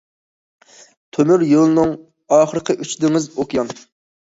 تۆمۈريولنىڭ ئاخىرقى ئۇچى دېڭىز- ئوكيان.